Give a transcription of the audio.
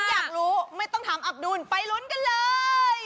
อยากรู้ไม่ต้องถามอับดุลไปลุ้นกันเลย